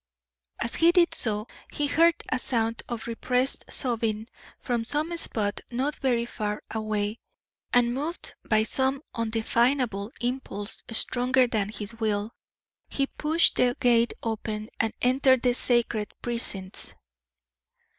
As he did so he heard a sound of repressed sobbing from some spot not very far away, and, moved by some undefinable impulse stronger than his will, he pushed open the gate and entered the sacred precincts.